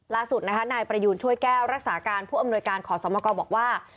ล่าสุดนะคะนายประยูนช่วยแก้วรักษาการผู้อำนวยการขอสมกรบอกว่า